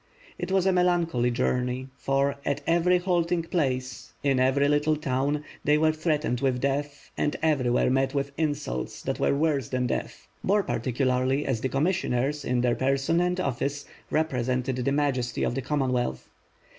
It was a melancholy journey, for, at every halting place, in every little town, they were threatened with death, and everywhere met with insults that were worse than death; more particularly as the commis sioners in their person and office, represented the majesty of the Commonwealth.